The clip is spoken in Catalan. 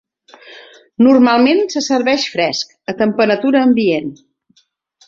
Normalment se serveix fresc, a temperatura ambient.